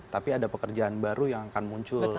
tapi ada pekerjaan baru yang akan muncul